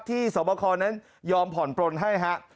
ที่สวบคลนั้นยอมผ่อนปล่นให้ครับ